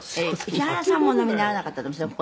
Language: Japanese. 「石原さんもお飲みにならなかったと思いますよ